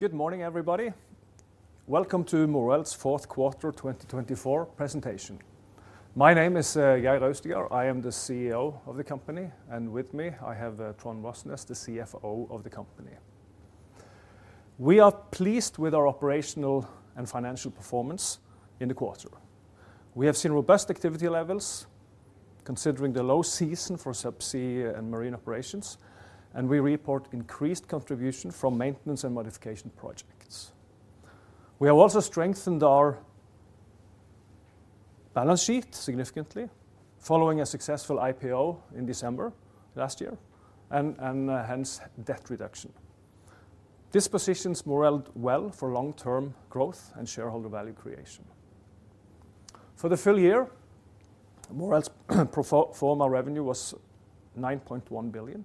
Good morning, everybody. Welcome to Moreld's Q4 2024 presentation. My name is Geir Austigard. I am the CEO of the company, and with me I have Trond Rosnes, the CFO of the company. We are pleased with our operational and financial performance in the quarter. We have seen robust activity levels, considering the low season for subsea and marine operations, and we report increased contribution from maintenance and modification projects. We have also strengthened our balance sheet significantly, following a successful IPO in December last year and hence debt reduction. This positions Moreld well for long-term growth and shareholder value creation. For the full year, Moreld's pro forma revenue was NOK 9.1 billion.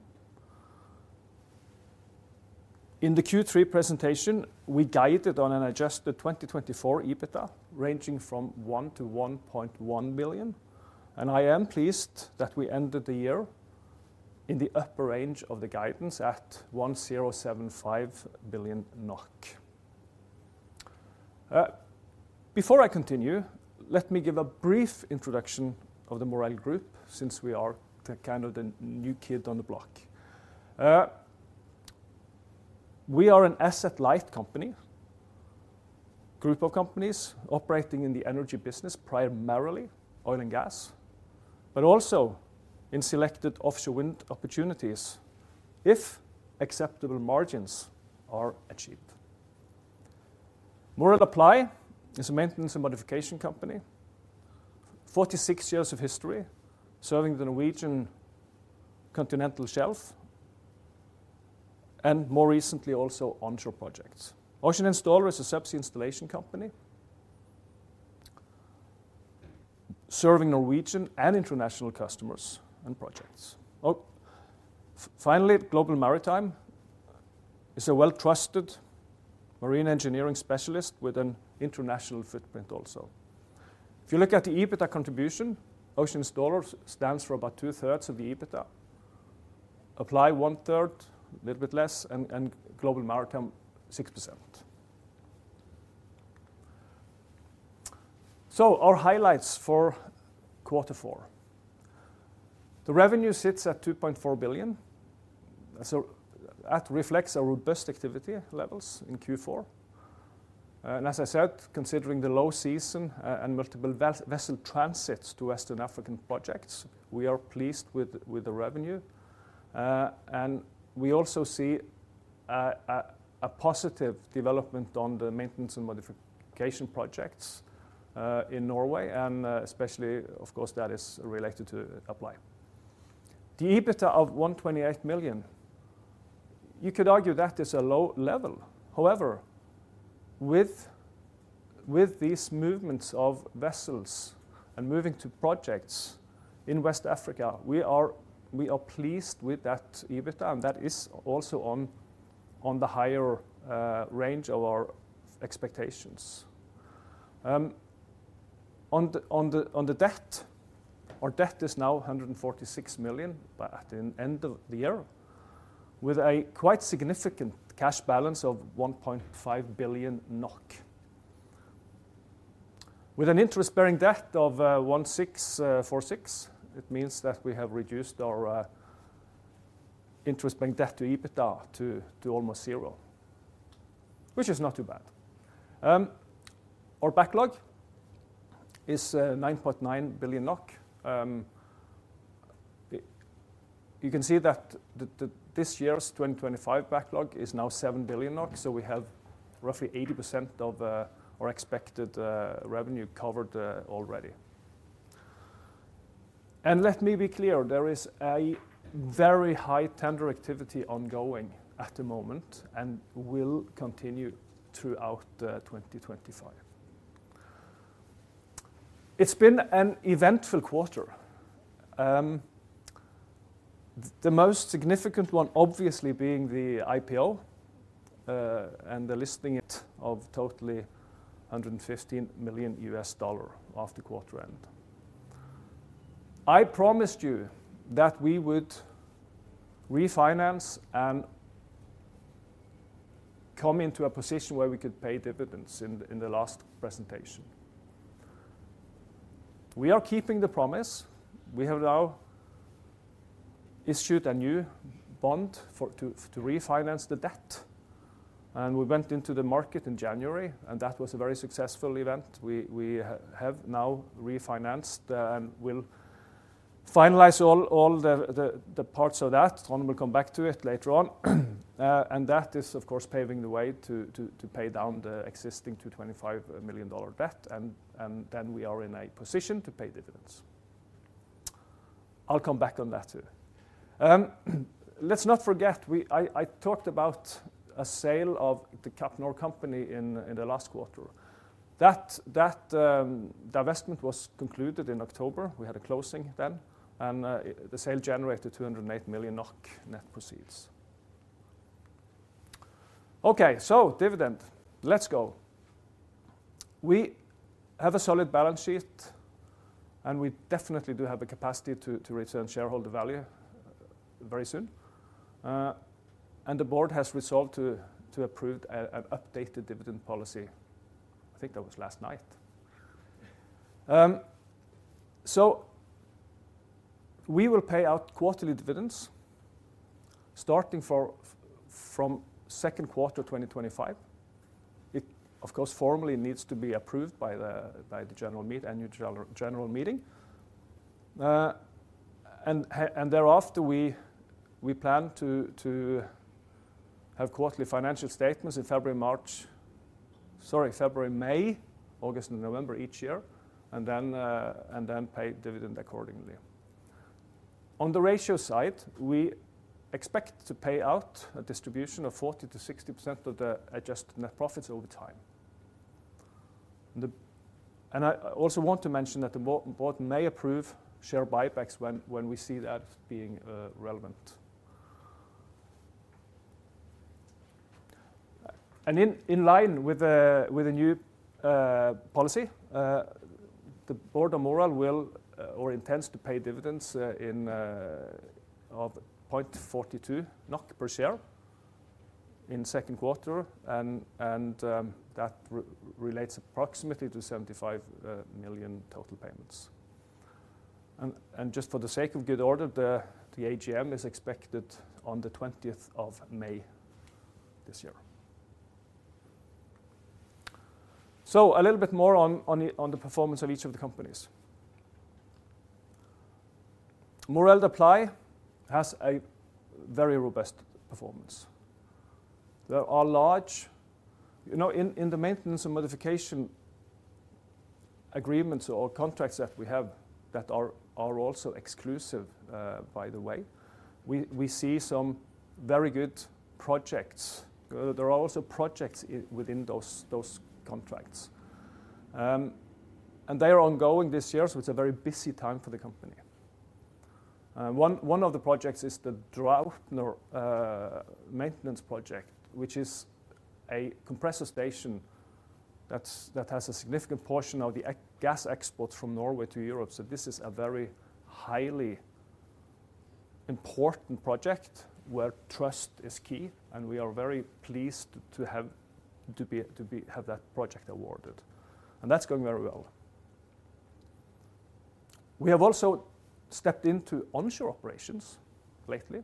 In the Q3 presentation, we guided on an adjusted 2024 EBITDA ranging from 1-1.1 billion, and I am pleased that we ended the year in the upper range of the guidance at 1.075 billion NOK. Before I continue, let me give a brief introduction of the Moreld Group, since we are kind of the new kid on the block. We are an asset-light group of companies operating in the energy business, primarily oil and gas, but also in selected offshore wind opportunities if acceptable margins are achieved. Moreld Apply is a maintenance and modification company, 46 years of history serving the Norwegian continental shelf, and more recently also onshore projects. Ocean Installer is a subsea installation company serving Norwegian and international customers and projects. Finally, Global Maritime is a well-trusted marine engineering specialist with an international footprint also. If you look at the EBITDA contribution, Ocean Installer stands for about two-thirds of the EBITDA, Apply one-third, a little bit less, and Global Maritime 6%. So our highlights for Q4: the revenue sits at 2.4 billion, so that reflects our robust activity levels in Q4. As I said, considering the low season and multiple vessel transits to West African projects, we are pleased with the revenue. We also see a positive development on the maintenance and modification projects in Norway, and especially, of course, that is related to Apply. The EBITDA of 128 million NOK, you could argue that is a low level. However, with these movements of vessels and moving to projects in West Africa, we are pleased with that EBITDA, and that is also on the higher range of our expectations. On the debt, our debt is now 146 million NOK at the end of the year, with a quite significant cash balance of 1.5 billion NOK. With an interest-bearing debt of 1646 million, it means that we have reduced our interest-bearing debt to EBITDA to almost zero, which is not too bad. Our backlog is 9.9 billion NOK. You can see that this year's 2025 backlog is now 7 billion NOK, so we have roughly 80% of our expected revenue covered already. And let me be clear, there is a very high tender activity ongoing at the moment and will continue throughout 2025. It's been an eventful quarter, the most significant one obviously being the IPO and the listing of totally $115 million after quarter end. I promised you that we would refinance and come into a position where we could pay dividends in the last presentation. We are keeping the promise. We have now issued a new bond to refinance the debt, and we went into the market in January, and that was a very successful event. We have now refinanced and will finalize all the parts of that. Trond will come back to it later on. That is, of course, paving the way to pay down the existing $225 million debt, and then we are in a position to pay dividends. I'll come back on that too. Let's not forget, I talked about a sale of the CapNor company in the last quarter. That divestment was concluded in October. We had a closing then, and the sale generated 208 million NOK net proceeds. Okay, so dividend, let's go. We have a solid balance sheet, and we definitely do have the capacity to return shareholder value very soon. And the board has resolved to approve an updated dividend policy. I think that was last night. So we will pay out quarterly dividends starting from second quarter 2025. It, of course, formally needs to be approved by the general meeting and the new general meeting. Thereafter, we plan to have quarterly financial statements in February, May, August, and November each year and then pay dividend accordingly. On the ratio side, we expect to pay out a distribution of 40%-60% of the adjusted net profits over time. I also want to mention that the board may approve share buybacks when we see that being relevant. In line with the new policy, the board of Moreld will or intends to pay dividends in of 0.42 NOK per share in second quarter, and that relates approximately to 75 million total payments. Just for the sake of good order, the AGM is expected on the 20th of May this year. So a little bit more on the performance of each of the companies. Moreld Apply has a very robust performance. They are large. In the maintenance and modification agreements or contracts that we have that are also exclusive, by the way, we see some very good projects. There are also projects within those contracts, and they are ongoing this year, so it's a very busy time for the company. One of the projects is the Draupner maintenance project, which is a compressor station that has a significant portion of the gas exports from Norway to Europe, so this is a very highly important project where trust is key, and we are very pleased to have that project awarded, and that's going very well. We have also stepped into onshore operations lately,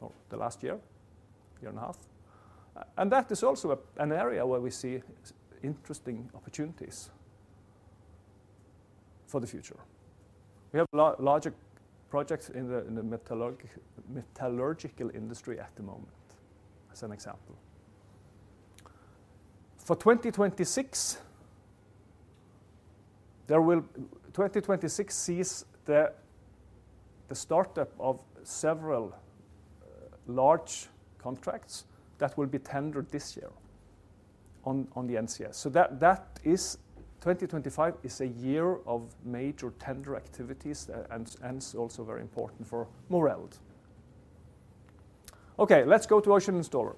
or the last year, year and a half, and that is also an area where we see interesting opportunities for the future. We have larger projects in the metallurgical industry at the moment, as an example. For 2026 sees the startup of several large contracts that will be tendered this year on the NCS, so that is, 2025 is a year of major tender activities and also very important for Moreld. Okay, let's go to Ocean Installer.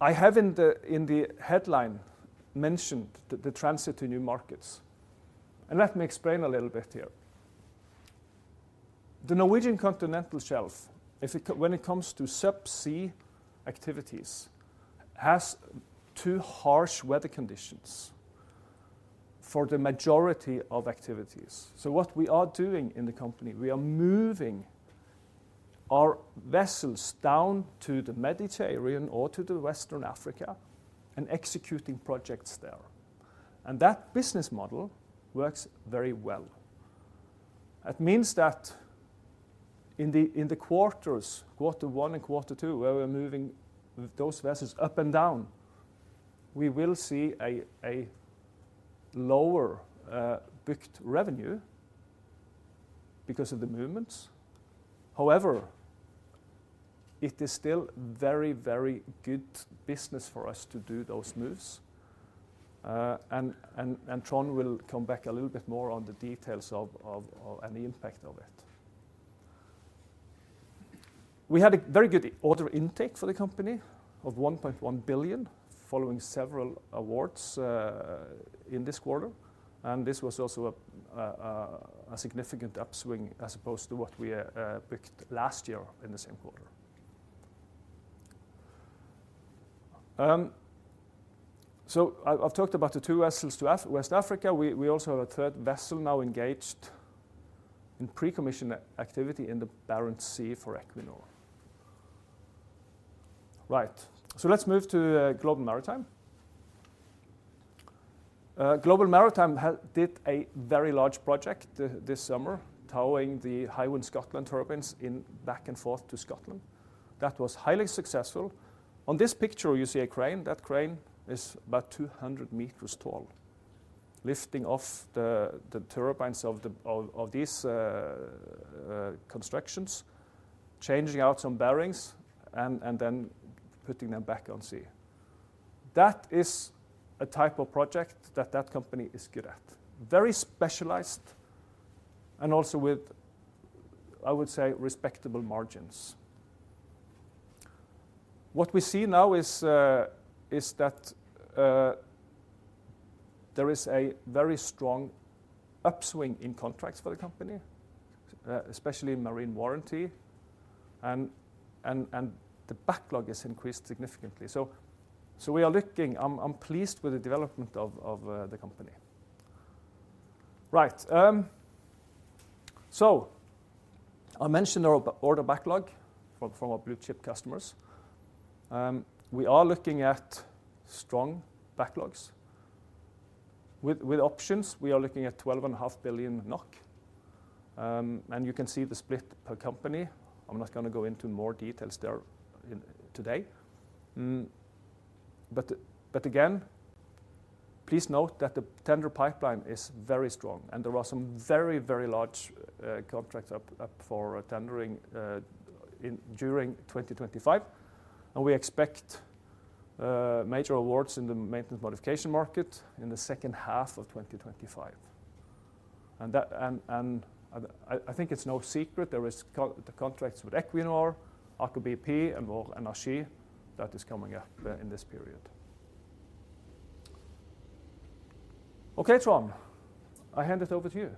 I have in the headline mentioned the transit to new markets, and let me explain a little bit here. The Norwegian Continental Shelf, when it comes to subsea activities, has too harsh weather conditions for the majority of activities, so what we are doing in the company, we are moving our vessels down to the Mediterranean or to West Africa and executing projects there, and that business model works very well. That means that in the quarters, Q1 and Q2, where we're moving those vessels up and down, we will see a lower booked revenue because of the movements. However, it is still very, very good business for us to do those moves, and Trond will come back a little bit more on the details of any impact of it. We had a very good order intake for the company of 1.1 billion following several awards in this quarter, and this was also a significant upswing as opposed to what we booked last year in the same quarter. So I've talked about the two vessels to West Africa. We also have a third vessel now engaged in pre-commissioning activity in the Barents Sea for Equinor. Right, so let's move to Global Maritime. Global Maritime did a very large project this summer, towing the Hywind Scotland turbines back and forth to Scotland. That was highly successful. On this picture, you see a crane. That crane is about 200 meters tall, lifting off the turbines of these constructions, changing out some bearings, and then putting them back on sea. That is a type of project that that company is good at. Very specialized and also with, I would say, respectable margins. What we see now is that there is a very strong upswing in contracts for the company, especially marine warranty, and the backlog has increased significantly, so we are looking. I'm pleased with the development of the company. Right, so I mentioned our order backlog from our blue chip customers. We are looking at strong backlogs. With options, we are looking at 12.5 billion NOK, and you can see the split per company. I'm not going to go into more details there today. But again, please note that the tender pipeline is very strong, and there are some very, very large contracts up for tendering during 2025. We expect major awards in the maintenance modification market in the second half of 2025. I think it's no secret there are the contracts with Equinor, Aker BP, and Aibel that are coming up in this period. Okay, Trond, I hand it over to you.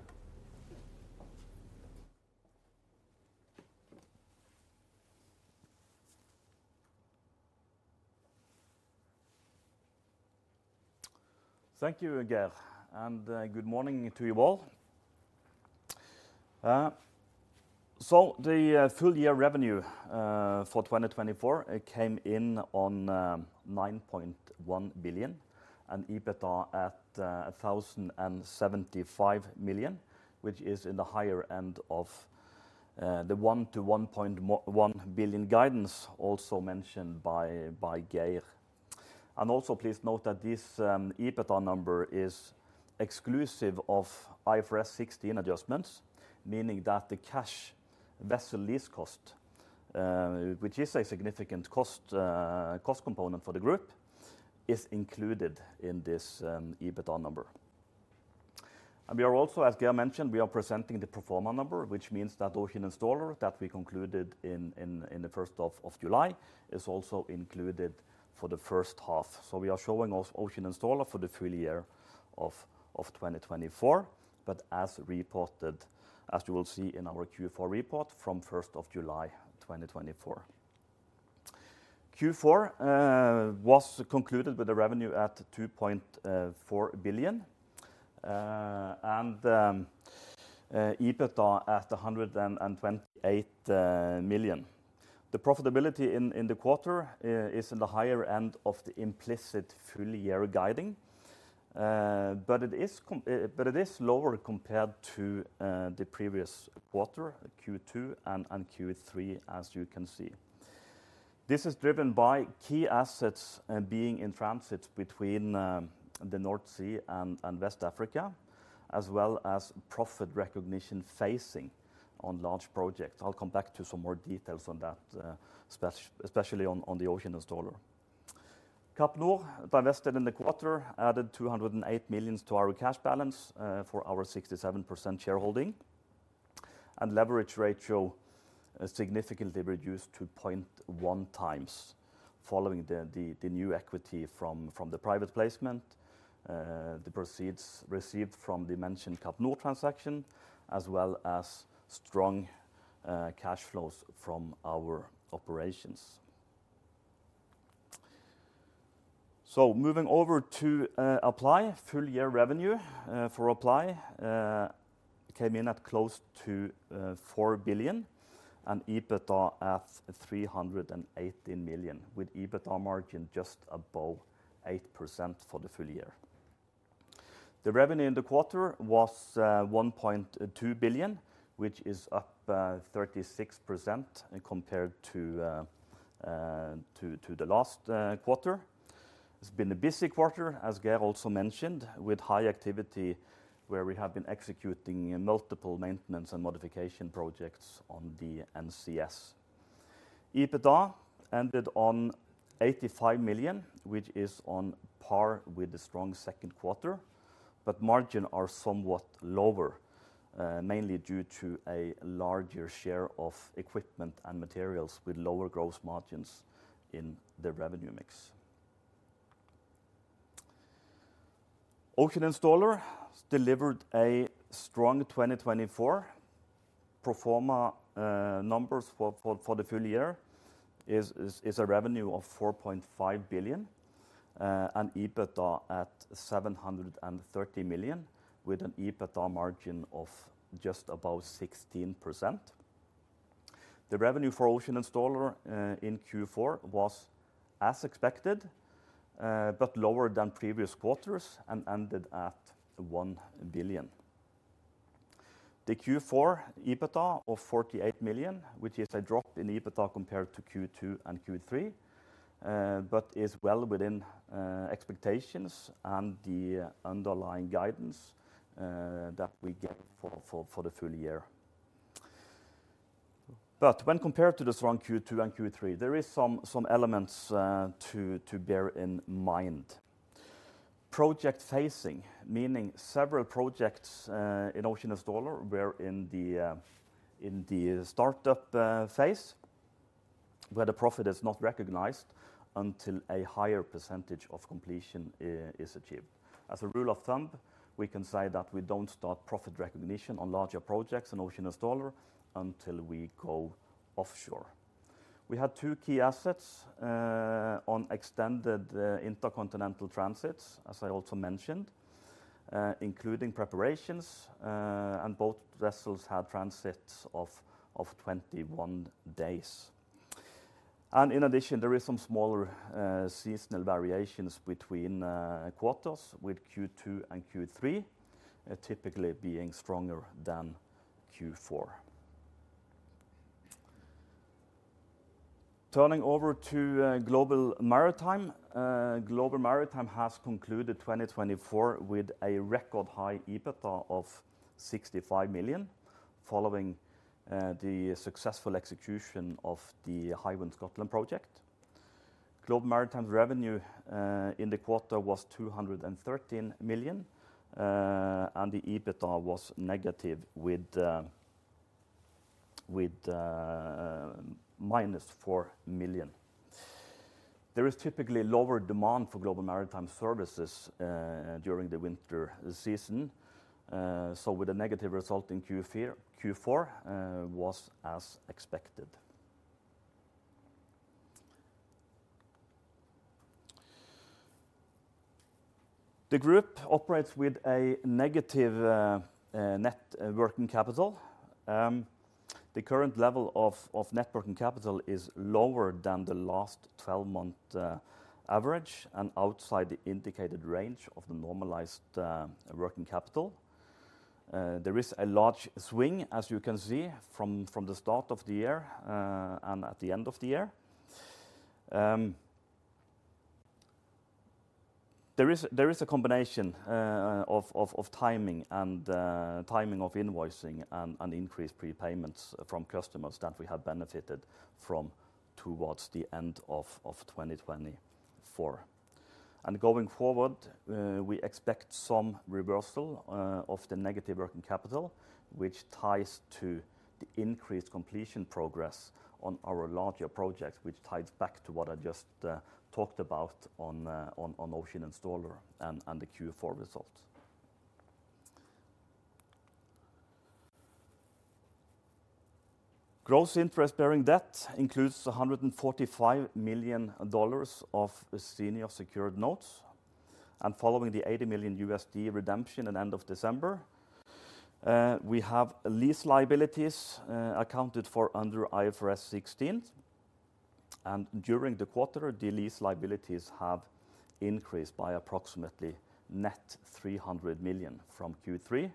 Thank you, Geir, and good morning to you all. The full year revenue for 2024 came in on 9.1 billion and EBITDA at 1,075 million, which is in the higher end of the 1-1.1 billion guidance also mentioned by Geir. Also, please note that this EBITDA number is exclusive of IFRS 16 adjustments, meaning that the cash vessel lease cost, which is a significant cost component for the group, is included in this EBITDA number. And we are also, as Geir mentioned, we are presenting the pro forma number, which means that Ocean Installer that we concluded in the first of July is also included for the first half. So we are showing Ocean Installer for the full year of 2024, but as reported, as you will see in our Q2 report from first of July 2024. Q2 was concluded with a revenue at 2.4 billion and EBITDA at 128 million. The profitability in the quarter is in the higher end of the implicit full year guidance, but it is lower compared to the previous quarter, Q2 and Q3, as you can see. This is driven by key assets being in transit between the North Sea and West Africa, as well as profit recognition phasing on large projects. I'll come back to some more details on that, especially on the Ocean Installer. CapNor, divested in the quarter, added 208 million to our cash balance for our 67% shareholding, and leverage ratio significantly reduced to 0.1 times following the new equity from the private placement, the proceeds received from the mentioned CapNor transaction, as well as strong cash flows from our operations. So moving over to Apply, full year revenue for Apply came in at close to 4 billion and EBITDA at 318 million, with EBITDA margin just above 8% for the full year. The revenue in the quarter was 1.2 billion, which is up 36% compared to the last quarter. It's been a busy quarter, as Geir also mentioned, with high activity where we have been executing multiple maintenance and modification projects on the NCS. EBITDA ended at 85 million, which is on par with the strong second quarter, but margins are somewhat lower, mainly due to a larger share of equipment and materials with lower gross margins in the revenue mix. Ocean Installer delivered strong 2024 performance numbers for the full year, with a revenue of 4.5 billion and EBITDA at 730 million, with an EBITDA margin of just above 16%. The revenue for Ocean Installer in Q4 was as expected, but lower than previous quarters and ended at 1 billion. The Q4 EBITDA of 48 million, which is a drop in EBITDA compared to Q2 and Q3, but is well within expectations and the underlying guidance that we get for the full year. But when compared to the strong Q2 and Q3, there are some elements to bear in mind. Project facing, meaning several projects in Ocean Installer were in the startup phase where the profit is not recognized until a higher percentage of completion is achieved. As a rule of thumb, we can say that we don't start profit recognition on larger projects in Ocean Installer until we go offshore. We had two key assets on extended intercontinental transits, as I also mentioned, including preparations, and both vessels had transits of 21 days, and in addition, there are some smaller seasonal variations between quarters with Q2 and Q3, typically being stronger than Q4. Turning over to Global Maritime, Global Maritime has concluded 2024 with a record high EBITDA of 65 million following the successful execution of the Hywind Scotland project. Global Maritime's revenue in the quarter was 213 million, and the EBITDA was negative with minus 4 million. There is typically lower demand for Global Maritime services during the winter season, so with a negative result in Q4 was as expected. The group operates with a negative net working capital. The current level of net working capital is lower than the last 12-month average and outside the indicated range of the normalized working capital. There is a large swing, as you can see, from the start of the year and at the end of the year. There is a combination of timing of invoicing and increased prepayments from customers that we have benefited from towards the end of 2024, and going forward, we expect some reversal of the negative working capital, which ties to the increased completion progress on our larger projects, which ties back to what I just talked about on Ocean Installer and the Q4 result. Gross interest-bearing debt includes $145 million of senior secured notes. Following the $80 million redemption at the end of December, we have lease liabilities accounted for under IFRS 16. During the quarter, the lease liabilities have increased by approximately net 300 million from Q3,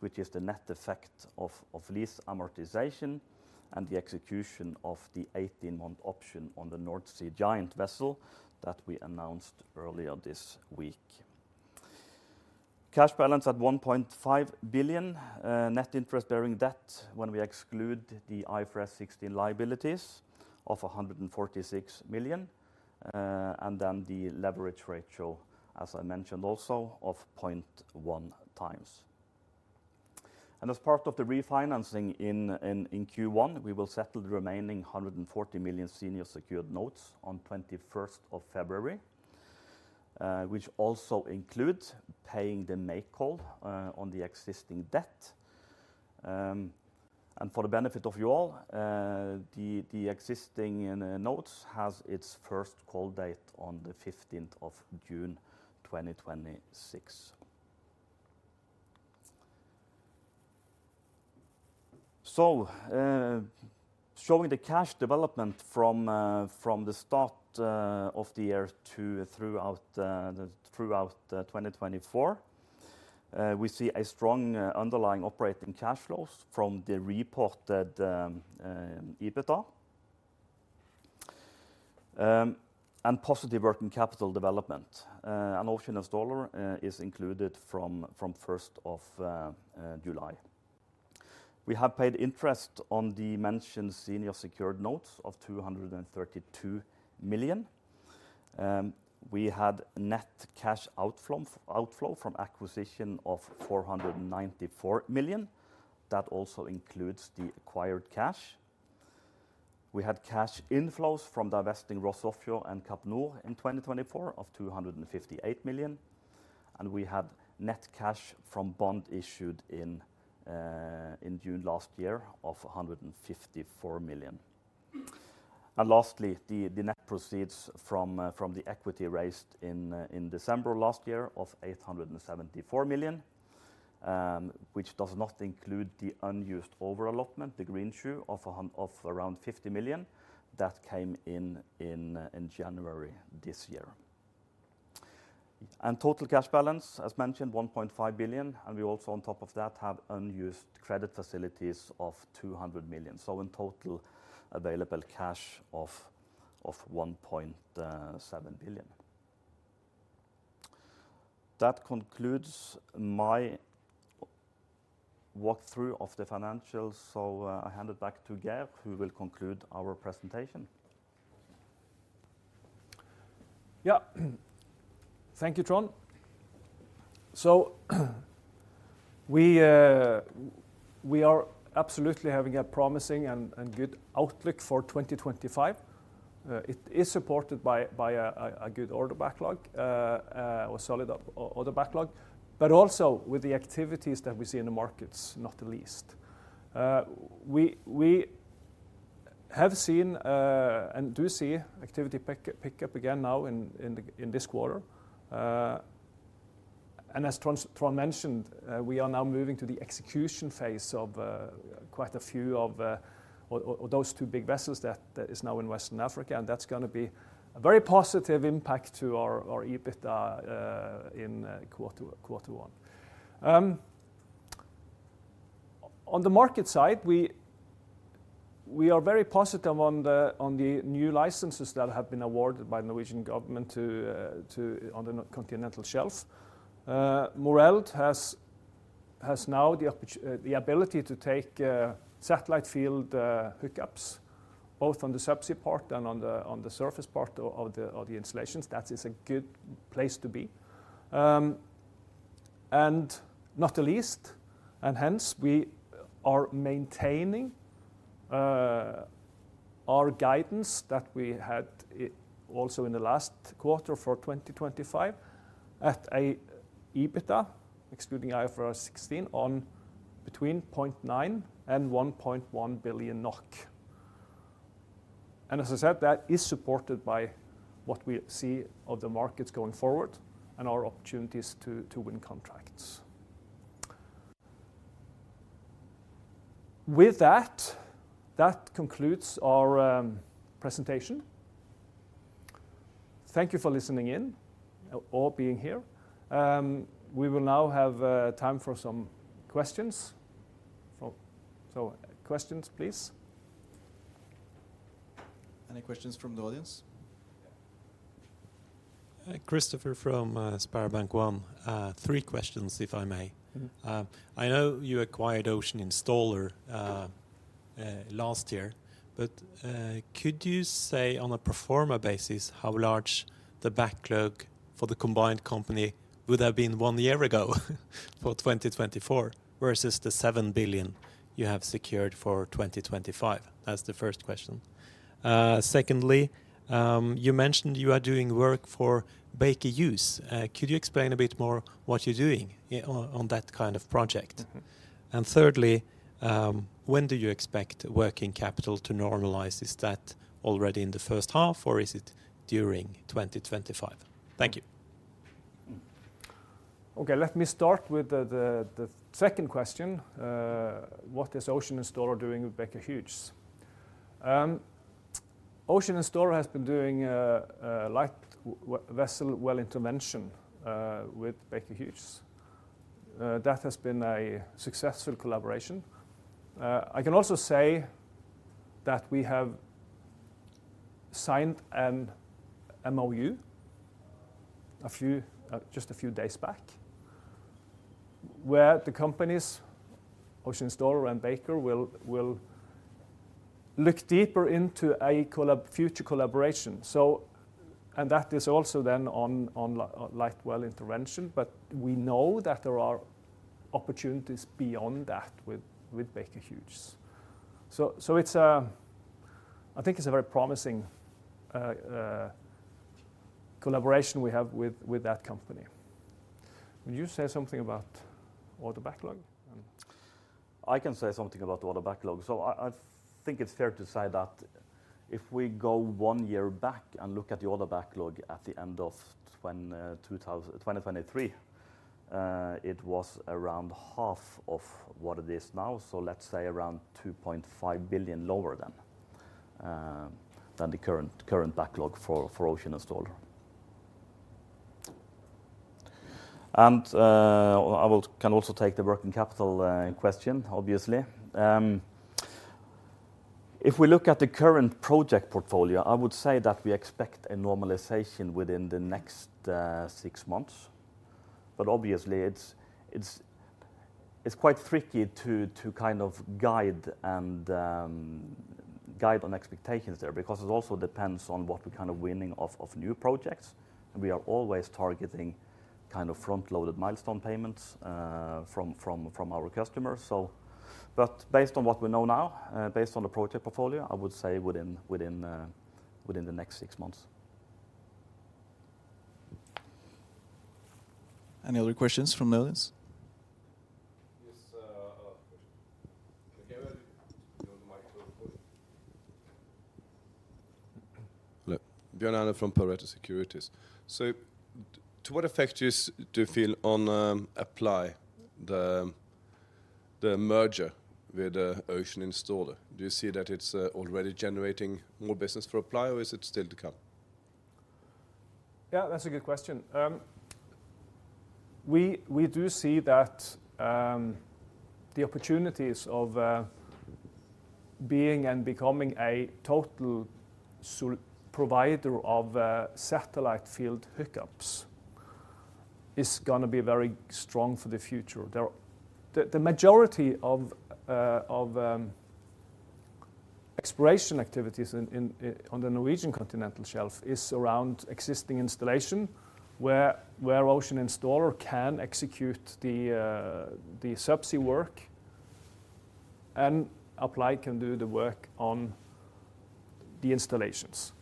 which is the net effect of lease amortization and the execution of the 18-month option on the North Sea Giant vessel that we announced earlier this week. Cash balance at 1.5 billion, net interest-bearing debt when we exclude the IFRS 16 liabilities of 146 million, and then the leverage ratio, as I mentioned also, of 0.1 times. As part of the refinancing in Q1, we will settle the remaining $140 million senior secured notes on 21st of February, which also includes paying the make-whole call on the existing debt. For the benefit of you all, the existing notes has its first call date on the 15th of June 2026. So showing the cash development from the start of the year throughout 2024, we see a strong underlying operating cash flows from the reported EBITDA and positive working capital development. And Ocean Installer is included from 1st of July. We have paid interest on the mentioned senior secured notes of 232 million. We had net cash outflow from acquisition of 494 million. That also includes the acquired cash. We had cash inflows from divesting Ross Offshore and CapNor Group in 2024 of 258 million. And we had net cash from bond issued in June last year of 154 million. And lastly, the net proceeds from the equity raised in December last year of 874 million, which does not include the unused over-allotment, the Greenshoe of around 50 million that came in January this year. And total cash balance, as mentioned, 1.5 billion. And we also, on top of that, have unused credit facilities of 200 million. So in total, available cash of 1.7 billion. That concludes my walkthrough of the financials. So I hand it back to Geir, who will conclude our presentation. Yeah, thank you, Trond. So we are absolutely having a promising and good outlook for 2025. It is supported by a good order backlog, a solid order backlog, but also with the activities that we see in the markets, not least. We have seen and do see activity pick up again now in this quarter. As Trond mentioned, we are now moving to the execution phase of quite a few of those two big vessels that are now in West Africa, and that's going to be a very positive impact to our EBITDA in Q1. On the market side, we are very positive on the new licenses that have been awarded by the Norwegian government on the continental shelf. Moreld has now the ability to take satellite field hookups, both on the subsea part and on the surface part of the installations. That is a good place to be. Not the least, hence we are maintaining our guidance that we had also in the last quarter for 2025 at an EBITDA, excluding IFRS 16, between 0.9 billion and 1.1 billion NOK. As I said, that is supported by what we see of the markets going forward and our opportunities to win contracts. With that, that concludes our presentation. Thank you for listening in or being here. We will now have time for some questions. So questions, please. Any questions from the audience? Christopher from SpareBank 1 Markets, three questions, if I may. I know you acquired Ocean Installer last year, but could you say on a pro forma basis how large the backlog for the combined company would have been one year ago for 2024 versus the 7 billion you have secured for 2025? That's the first question. Secondly, you mentioned you are doing work for Baker Hughes. Could you explain a bit more what you're doing on that kind of project? And thirdly, when do you expect working capital to normalize? Is that already in the first half, or is it during 2025? Thank you. Okay, let me start with the second question. What is Ocean Installer doing with Baker Hughes? Ocean Installer has been doing light well intervention with Baker Hughes. That has been a successful collaboration. I can also say that we have signed an MOU just a few days back where the companies, Ocean Installer and Baker, will look deeper into a future collaboration. And that is also then on light well intervention, but we know that there are opportunities beyond that with Baker Hughes. So I think it's a very promising collaboration we have with that company. Would you say something about order backlog? I can say something about order backlog. I think it's fair to say that if we go one year back and look at the order backlog at the end of 2023, it was around half of what it is now. Let's say around 2.5 billion lower than the current backlog for Ocean Installer. I can also take the working capital question, obviously. If we look at the current project portfolio, I would say that we expect a normalization within the next six months. Obviously, it's quite tricky to kind of guide on expectations there because it also depends on what we're kind of winning of new projects. We are always targeting kind of front-loaded milestone payments from our customers. Based on what we know now, based on the project portfolio, I would say within the next six months. Any other questions from the audience? Yes, I have a question. Bjørn Anders from Pareto Securities. So to what effect do you feel on Apply the merger with Ocean Installer? Do you see that it's already generating more business for Apply, or is it still to come? Yeah, that's a good question. We do see that the opportunities of being and becoming a total provider of satellite field hookups is going to be very strong for the future. The majority of exploration activities on the Norwegian Continental Shelf is around existing installation where Ocean Installer can execute the subsea work and apply can do the work on the installations.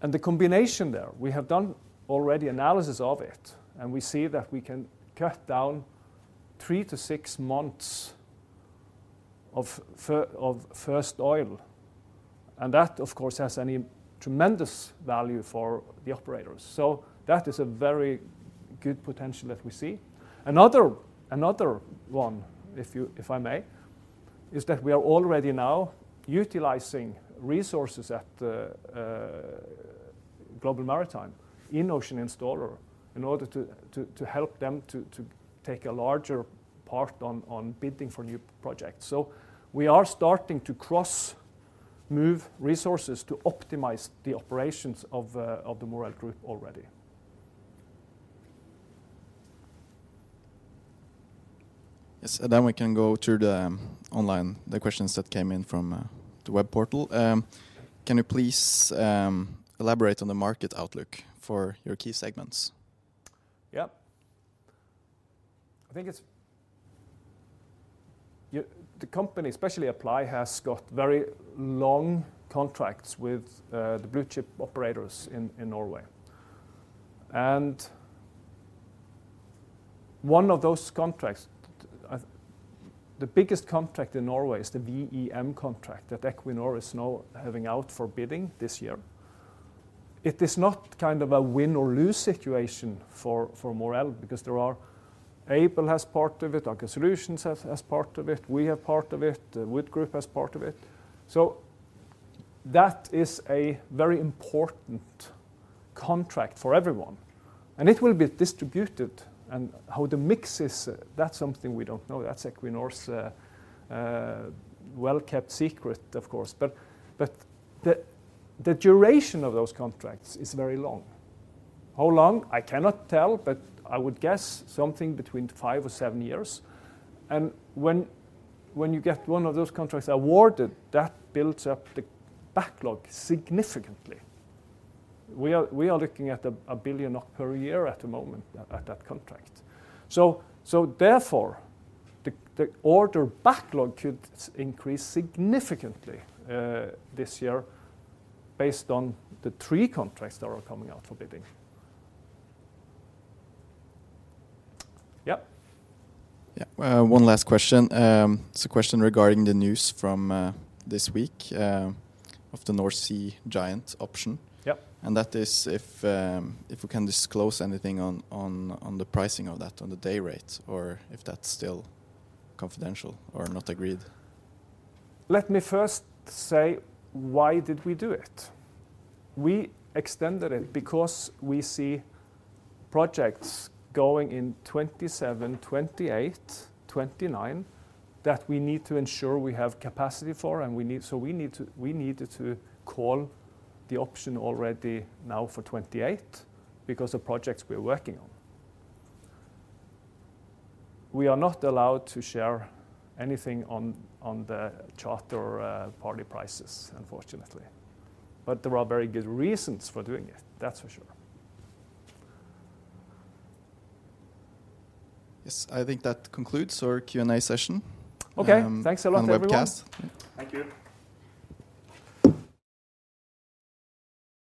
And the combination there, we have done already analysis of it, and we see that we can cut down three to six months of first oil. And that, of course, has a tremendous value for the operators. So that is a very good potential that we see. Another one, if I may, is that we are already now utilizing resources at Global Maritime in Ocean Installer in order to help them to take a larger part on bidding for new projects. So we are starting to cross-move resources to optimize the operations of the Moreld Group already. Yes, and then we can go to the online questions that came in from the web portal. Can you please elaborate on the market outlook for your key segments? Yeah. I think the company, especially Apply, has got very long contracts with the blue chip operators in Norway. One of those contracts, the biggest contract in Norway, is the V&M contract that Equinor is now having out for bidding this year. It is not kind of a win or lose situation for Moreld because Aibel has part of it, Aker Solutions has part of it, we have part of it, Wood has part of it. So that is a very important contract for everyone. And it will be distributed. And how the mix is, that's something we don't know. That's Equinor's well-kept secret, of course. But the duration of those contracts is very long. How long? I cannot tell, but I would guess something between five or seven years. And when you get one of those contracts awarded, that builds up the backlog significantly. We are looking at 1 billion per year at the moment at that contract. So therefore, the order backlog could increase significantly this year based on the three contracts that are coming out for bidding. Yeah. Yeah, one last question. It's a question regarding the news from this week of the North Sea Giant option, and that is if we can disclose anything on the pricing of that, on the day rate, or if that's still confidential or not agreed. Let me first say, why did we do it? We extended it because we see projects going in 2027, 2028, 2029 that we need to ensure we have capacity for. And so we need to call the option already now for 2028 because of projects we're working on. We are not allowed to share anything on the charter party prices, unfortunately, but there are very good reasons for doing it, that's for sure. Yes, I think that concludes our Q&A session. Okay, thanks a lot, everyone. Thank you.